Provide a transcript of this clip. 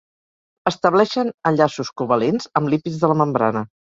Estableixen enllaços covalents amb lípids de la membrana.